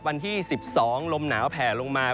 วันที่๑๒ลมหนาวแผ่ลงมา